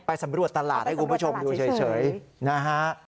สำรวจตลาดให้คุณผู้ชมดูเฉยนะฮะ